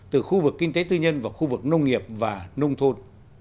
từ khu vực kinh tế tư nhân vào khu vực nông nghiệp và nông thôn